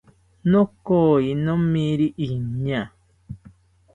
Nokoyi nomiri iñaa